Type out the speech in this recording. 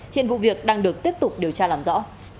hiện vụ việc đang được tiếp tục điều tra làm rõ